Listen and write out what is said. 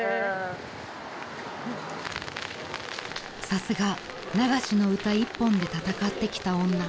［さすが流しの歌一本で戦ってきた女］